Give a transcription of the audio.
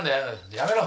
やめろ！